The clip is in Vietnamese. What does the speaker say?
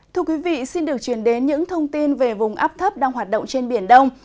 thưa quý vị xin được truyền đến những thông tin về vùng áp thấp đang hoạt động trên biển đông